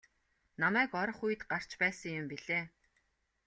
Намайг орох үед гарч байсан юм билээ.